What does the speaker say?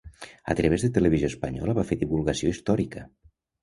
A través de Televisió Espanyola va fer divulgació històrica.